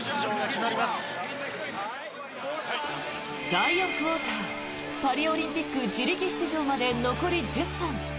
第４クオーターパリオリンピック自力出場まで残り１０分。